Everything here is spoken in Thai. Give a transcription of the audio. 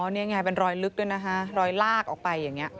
นี่ไงเป็นรอยลึกด้วยนะคะรอยลากออกไปอย่างนี้